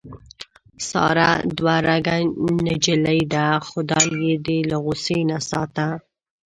ساره دوه رګه نجیلۍ ده. خدای یې دې له غوسې نه ساته.